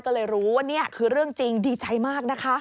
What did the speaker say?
ก็เลยรู้ว่านี่คือเรื่องจริงดีใจมากนะคะ